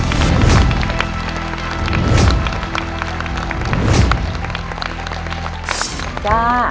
ปีหน้าหนูต้อง๖ขวบให้ได้นะลูก